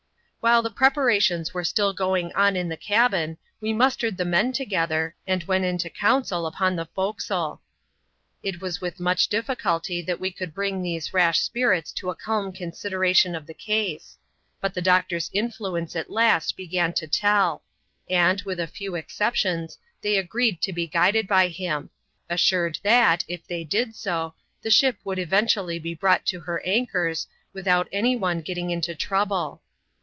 While the preparations were still going on ia the cabin, we mustered the men together, and went into council upon the fore* castle. It was with much difficulty that we could bring these rash spirits to a calm consideration of the case. But the doctcMr^s influence at last began to tell ; and, with a few exceptions, thej agreed to be guided by him ; assured that, if they did so, the ship would eyentually be brought to her anchors, without any one getting into trouble.